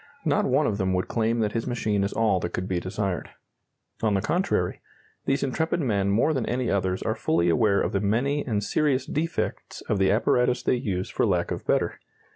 Not one of them would claim that his machine is all that could be desired. On the contrary, these intrepid men more than any others are fully aware of the many and serious defects of the apparatus they use for lack of better.